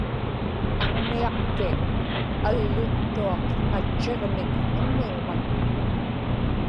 aŋuniaqti alluttuaq natchiġmik unnugman